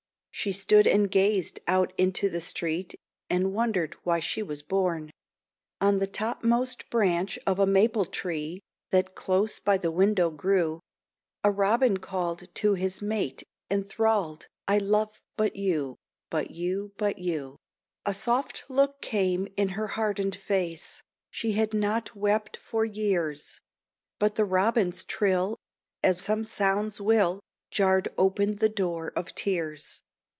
She stood and gazed out into the street, And wondered why she was born. On the topmost branch of a maple tree That close by the window grew, A robin called to his mate enthralled: "I love but you, but you, but you." A soft look came in her hardened face She had not wept for years; But the robin's trill, as some sounds will, Jarred open the door of tears.